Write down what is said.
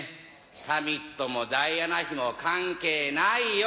サミットもダイアナ妃も関係ないよ